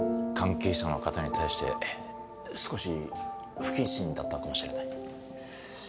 関係者の方に対して少し不謹慎だったかもしれない。